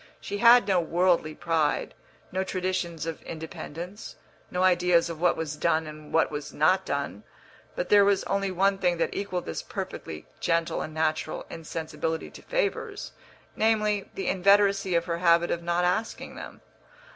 She had no worldly pride, no traditions of independence, no ideas of what was done and what was not done; but there was only one thing that equalled this perfectly gentle and natural insensibility to favours namely, the inveteracy of her habit of not asking them.